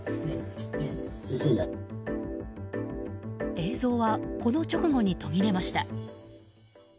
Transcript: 映像はこの直後に途切れました。